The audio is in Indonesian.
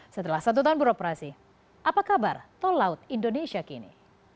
setelah satu tahun beroperasi apa kabar tol laut indonesia kini